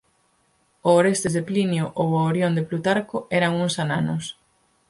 o Orestes de Plinio ou o Orión de Plutarco eran uns ananos.